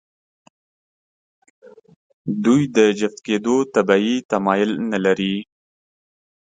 دوی د جفت کېدو طبیعي تمایل نهلري.